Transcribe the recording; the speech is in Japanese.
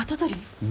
うん。